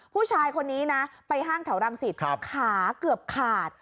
ผู้ชายคนนี้นะไปห้างแถวรังสิตขาเกือบขาด